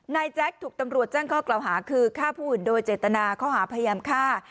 นายแจ็คถูกตำรวจแจ้งเค้าเกลอหาคือฆ่าผู้อื่นโดยเจตนาเค้าหาพยาบค่า